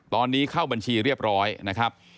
ตอนนี้เข้าบัญชีเรียบร้อยนะครับ